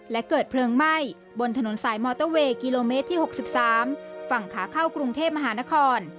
และเกิดเพลิงไหม้บนถนนสายมอเตอร์เวย์กิโลเมตรที่๖๓ฝั่งขาเข้ากรุงเทพมหานคร